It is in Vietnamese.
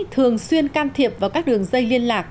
thường xuyên can thiệp vào các đường dây liên lạc